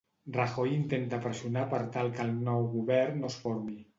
Rajoy intenta pressionar per tal que el nou govern no es formi.